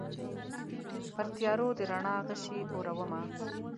پرتیارو د رڼا غشي اورومه